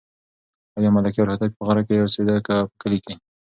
آیا ملکیار هوتک په غره کې اوسېده که په کلي کې؟